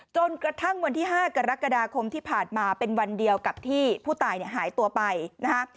จนกระทั่งวันที่๕กรกฎาคมที่ผ่านมาเป็นวันเดียวกับที่ผู้ตายเนี่ยหายตัวไปนะฮะ